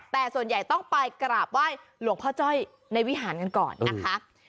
แต่ส่วนใหญ่ต้องไปกราบไหว้หลวงพ่อจ้อยในวิหารกันก่อนนะคะ